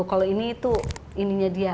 kalau ini itu ininya dia